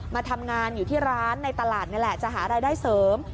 มาทำงานอยู่ที่ร้านในตลาดนี่แหละจะหารายได้เสริม